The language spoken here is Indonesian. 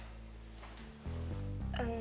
pak papi serius banget